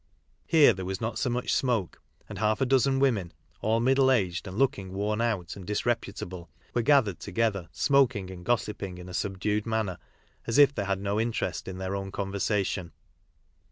Here there was not so much smoke, and half a dozen women, all middle aged and look ing worn out and disreputable, were gathered together smoking and gossiping in a subdued manner, as if they had no interest in their own con versation.